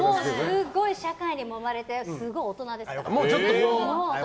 すごい、社会にもまれてすごい大人ですから。